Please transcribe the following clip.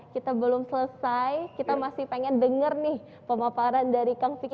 kita belum selesai kita masih pengen dengar nih pemaparan dari kang vicky